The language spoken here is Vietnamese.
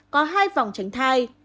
có hai vòng tránh thai